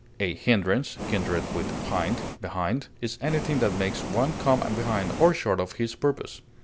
A hindrance (kindred with hind, behind) is anything that makes one come behind or short of his purpose.